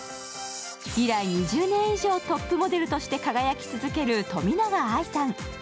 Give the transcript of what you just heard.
以来、２０年以上トップモデルとして輝き続ける冨永愛さん。